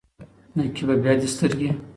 نقيبه! بيا دي سترګي